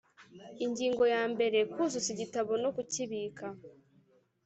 Ingingo ya mbere Kuzuza igitabo no kukibika